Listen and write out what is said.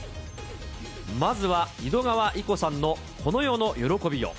まずは井戸川射子さんのこの世の喜びよ。